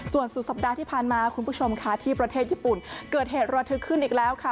ส่วนสุดสัปดาห์ที่ผ่านมาคุณผู้ชมค่ะที่ประเทศญี่ปุ่นเกิดเหตุระทึกขึ้นอีกแล้วค่ะ